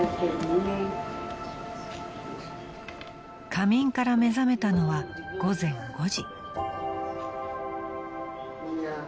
［仮眠から目覚めたのは午前５時］